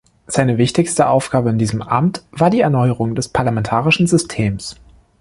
Seine wichtigste Aufgabe in diesem Amt war die Erneuerung des Parlamentarischen Systems.